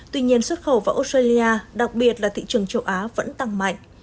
tuy nhiên xuất khẩu vào australia đặc biệt là thị trường châu á vẫn tăng mạnh